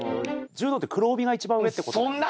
柔道って黒帯が一番上ってことですね。